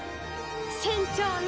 船長の。